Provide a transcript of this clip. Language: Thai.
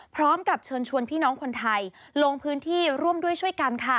พร้อมกับเชิญชวนพี่น้องคนไทยลงพื้นที่ร่วมด้วยช่วยกันค่ะ